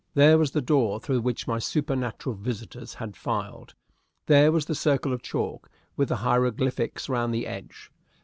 There was the door through which my supernatural visitors had filed. There was the circle of chalk, with the hieroglyphics round the edge.